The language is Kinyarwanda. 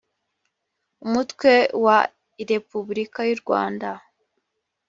umutwe wa ii repubulika y’urwanda